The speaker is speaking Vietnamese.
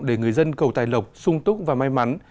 để người dân cầu tài lộc sung túc và may mắn